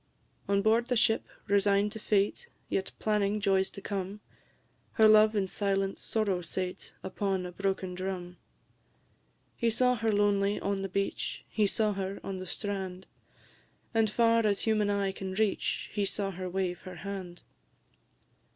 On board the ship, resign'd to fate, Yet planning joys to come, Her love in silent sorrow sate Upon a broken drum. He saw her lonely on the beach; He saw her on the strand; And far as human eye can reach He saw her wave her hand!